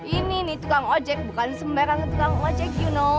ini nih tukang ojek bukan sembarangan tukang ojek